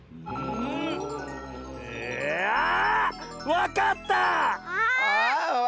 わかった！